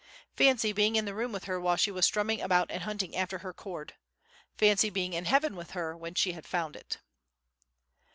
Fancy being in the room with her while she was strumming about and hunting after her chord! Fancy being in heaven with her when she had found it!